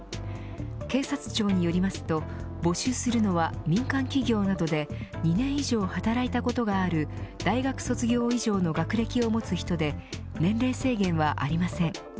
警察庁によりますと募集するのは民間企業などで２年以上働いたことがある大学卒業以上の学歴を持つ人で年齢制限はありません。